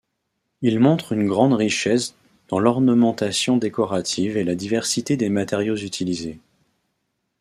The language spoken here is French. Il montre une grande richesse dans l'ornementation décorative et la diversité des matériaux utilisés.